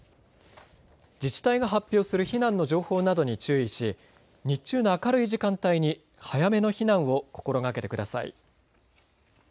自治体が発表する避難の情報などに注意し日中の明るい時間帯に早めの避難を心がけてください。